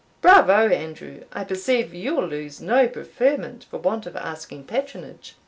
"Bravo, Andrew! I perceive you'll lose no preferment for want of asking patronage."